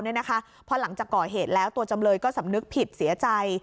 เพราะหลังจากก่อเหตุแล้วตัวจำเลยก็สำนึกผิดเสียใจ